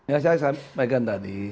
ya saya sampaikan tadi